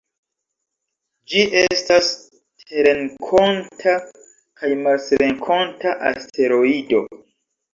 Ĝi estas terrenkonta kaj marsrenkonta asteroido.